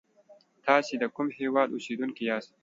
تاسی دکوم هیواد اوسیدونکی یاست